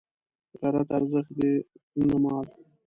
غیرت ارزښت دی نه مال